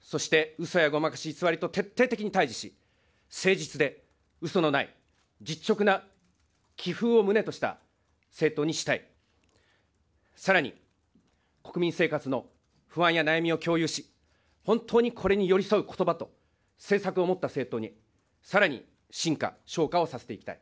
そしてうそやごまかし、偽りと徹底的に対じし、誠実でうそのない実直な気風を旨とした政党にしたい、さらに、国民生活の不安や悩みを共有し、本当にこれに寄り添うことばと、政策を持った政党にさらに進化、昇華をさせていきたい。